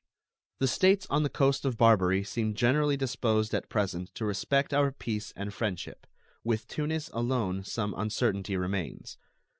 The States on the coast of Barbary seem generally disposed at present to respect our peace and friendship; with Tunis alone some uncertainty remains.